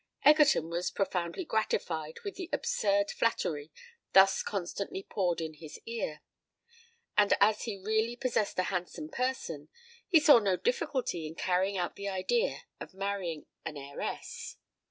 Egerton was profoundly gratified with the absurd flattery thus constantly poured in his ear; and as he really possessed a handsome person, he saw no difficulty in carrying out the idea of marrying an heiress.